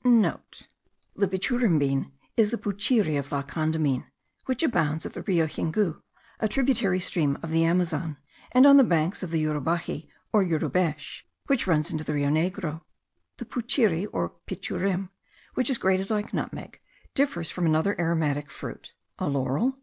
(* The pichurim bean is the puchiri of La Condamine, which abounds at the Rio Xingu, a tributary stream of the Amazon, and on the banks of the Hyurubaxy, or Yurubesh, which runs into the Rio Negro. The puchery, or pichurim, which is grated like nutmeg, differs from another aromatic fruit (a laurel?)